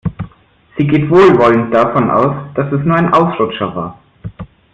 Sie geht wohlwollend davon aus, dass es nur ein Ausrutscher war.